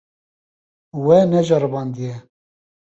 We neceribandiye.